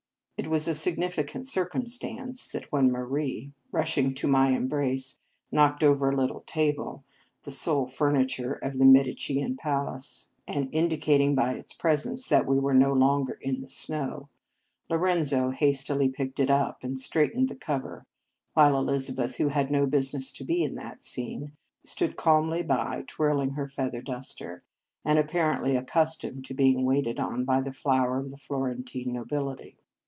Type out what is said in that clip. It was a signifi cant circumstance that when Marie, 54 Marriage Vows rushing to my embrace, knocked over a little table, the sole furniture of the Medicean palace, and indicating by its presence that we were no longer in the snow, Lorenzo hastily picked it up, and straightened the cover; while Elizabeth who had no busi ness to be in that scene stood calmly by, twirling her feather duster, and ap parently accustomed to being waited on by the flower of the Florentine nobility.